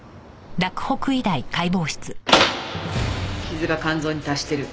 傷が肝臓に達してる。